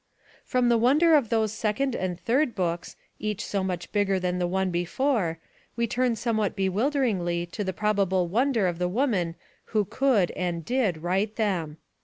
From the wonder of those second and third books, each so much bigger than the one before, we turn somewhat bewilderedly to the probable wonder of the woman who could and did write them.